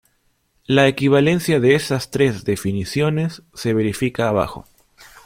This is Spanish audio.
La equivalencia de estas tres definiciones se verifica abajo.